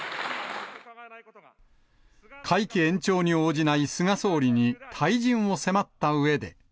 会期延長に応じない菅総理に、退陣を迫ったうえで。